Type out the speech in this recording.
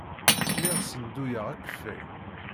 Lliɣ ssenduyeɣ akeffay.